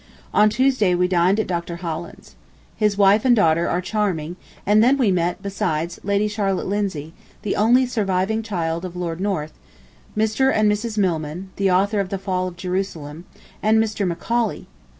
On Tuesday we dined at Dr. Holland's. His wife and daughter are charming, and then we met, besides, Lady Charlotte Lindsay, the only surviving child of Lord North, Mr. and Mrs. Milman (the author of the "Fall of Jerusalem"), and Mr. Macaulay.